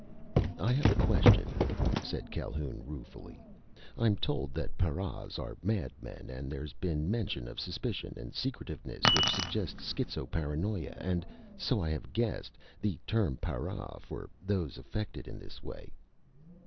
"I have a question," said Calhoun ruefully. "I'm told that paras are madmen, and there's been mention of suspicion and secretiveness which suggests schizo paranoia and so I have guessed the term para for those affected in this way."